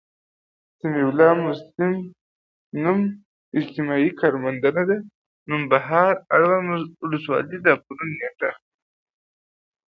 سمیع الله مسلم، نـــوم، اجتماعي کارمنددنــده، نوبهار، اړونــد ولسـوالـۍ، د راپــور نیــټه